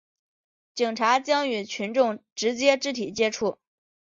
警察将与群众直接肢体接触